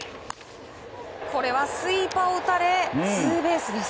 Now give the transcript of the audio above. これはスイーパーを打たれツーベースです。